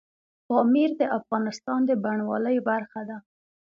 پامیر د افغانستان د بڼوالۍ برخه ده.